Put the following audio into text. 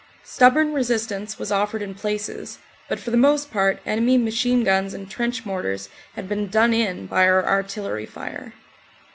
Stubborn resistance was offered in places, but for the most part enemy machine guns and trench mortars had been done in by our artillery fire.